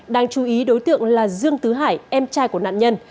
đáng chú ý đối tượng là dương tứ hải em trai của nạn nhân